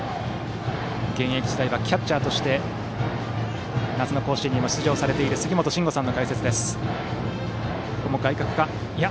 現役時代はキャッチャーとして夏の甲子園にも出場されている杉本真吾さんの解説です。